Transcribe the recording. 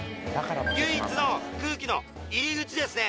唯一の空気の入り口ですね